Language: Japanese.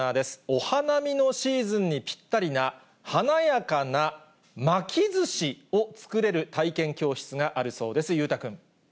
お花見のシーズンにぴったりな、華やかな巻きずしを作れる体験教室があるそうです。